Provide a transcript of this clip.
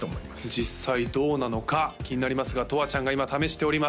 実際どうなのか気になりますがとわちゃんが今試しております